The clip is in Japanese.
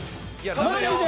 マジで！？